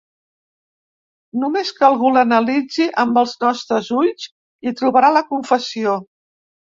Només que algú l'analitzi amb els nostres ulls, hi trobarà la confessió.